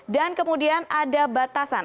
dan kemudian ada batasan